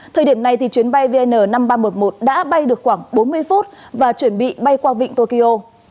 thời điểm này chuyến bay vn năm nghìn ba trăm một mươi một đã bay được khoảng bốn mươi phút và chuẩn bị bay qua vịnh tokyo